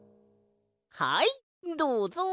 はいどうぞ！